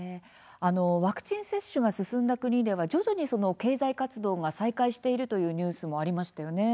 ワクチン接種が進んだ国では徐々に、経済活動が再開しているというニュースもありましたよね。